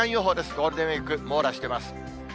ゴールデンウィーク網羅してます。